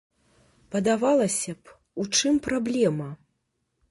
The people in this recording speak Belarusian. Падавалася б, у чым праблема?